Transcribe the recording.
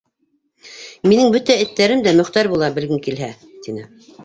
Минең бөтә эттәрем дә Мөхтәр була, белгең килһә, - тине.